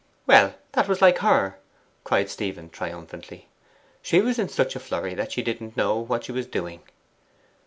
'Well, that was like her!' cried Stephen triumphantly. 'She was in such a flurry that she didn't know what she was doing.